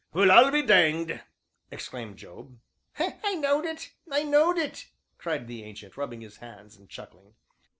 "Well, I'll be danged!" exclaimed Job. "I knowed it! I knowed it!" cried the Ancient, rubbing his hands and chuckling.